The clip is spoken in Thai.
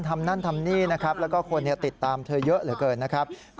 นั่นทำนี่นะครับแล้วก็คนติดตามเธอเยอะเหลือเกินนะครับ